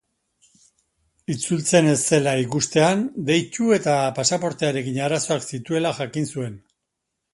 Itzultzen ez zela ikustean, deitu eta pasaportearekin arazoak zituela jakin zuen.